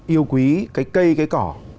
yêu quý cái cây cái cỏ